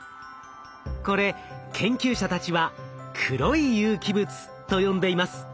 これ研究者たちは「黒い有機物」と呼んでいます。